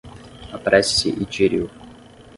Apresse-se e tire-o